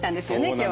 今日。